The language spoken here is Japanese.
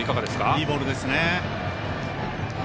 いいボールですね。